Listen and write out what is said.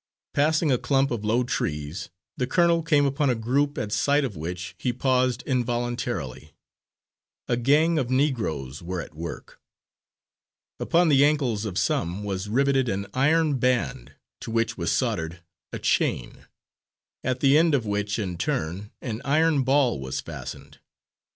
Passing a clump of low trees, the colonel came upon a group at sight of which he paused involuntarily. A gang of Negroes were at work. Upon the ankles of some was riveted an iron band to which was soldered a chain, at the end of which in turn an iron ball was fastened.